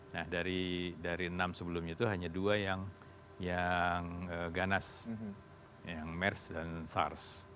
nah dari enam sebelumnya itu hanya dua yang ganas yang mers dan sars